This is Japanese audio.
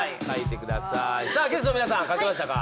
ゲストの皆さん書けましたか？